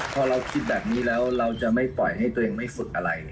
พอเราคิดแบบนี้แล้วเราจะไม่ปล่อยให้ตัวเองไม่ฝึกอะไร